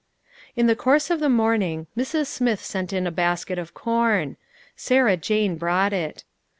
In the course of the morning, Mrs. Smith sent in a basket of corn. Sarah Jane brought it.